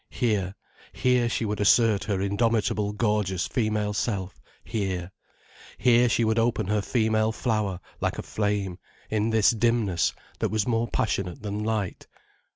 Here, here she would assert her indomitable gorgeous female self, here. Here she would open her female flower like a flame, in this dimness that was more passionate than light.